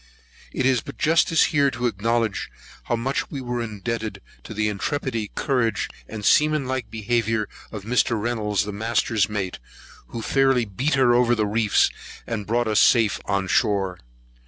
It is but justice here to acknowledge how much we were indebted to the intrepidity, courage, and seaman like behaviour of Mr. Reynolds the master's mate, who fairly beat her over all the reefs, and brought us safe on shore.